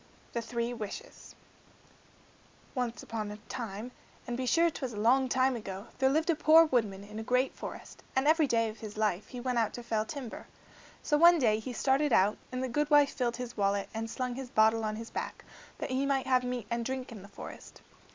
The Three Wishes Once upon a time, and be sure 't was a long time ago, there lived a poor woodman in a great forest, and every day of his life he went out to fell timber. So one day he started out, and the goodwife filled his wallet and slung his bottle on his back, that he might have meat and drink in the forest.